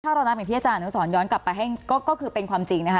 ถ้าเรานับอังกฤษที่จะอาณูสรย้อนกลับไปให้ก็คือเป็นความจริงนะคะ